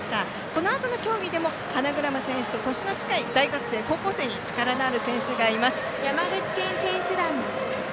このあとの競技でも花車選手との年の近い大学生、高校生に力のある選手がいます。